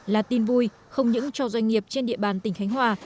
là tin vui không những cho doanh nghiệp trên địa bàn tỉnh khánh hòa